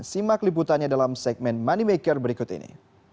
simak liputannya dalam segmen moneymaker berikut ini